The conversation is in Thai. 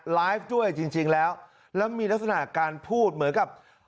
ไลฟ์ด้วยจริงแล้วแล้วมีลักษณะการพูดเหมือนกับ